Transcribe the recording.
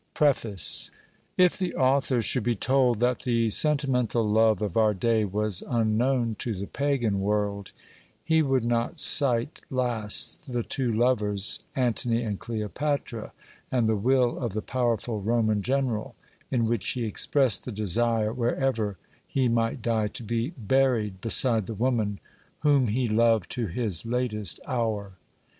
PREFACE. If the author should be told that the sentimental love of our day was unknown to the pagan world, he would not cite last the two lovers, Antony and Cleopatra, and the will of the powerful Roman general, in which he expressed the desire, wherever he might die, to be buried beside the woman whom he loved to his latest hour.